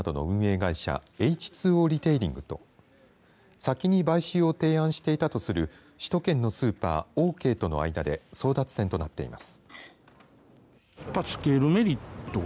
会社エイチ・ツー・オーリテイリングと先に買収を提案していたとする首都圏のスーパーオーケーとの間で争奪戦となっています。